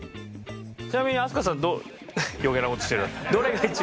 ちなみに飛鳥さん余計な事してるな。